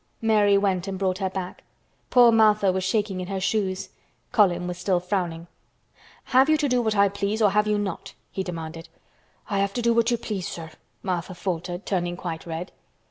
Mary went and brought her back. Poor Martha was shaking in her shoes. Colin was still frowning. "Have you to do what I please or have you not?" he demanded. "I have to do what you please, sir," Martha faltered, turning quite red.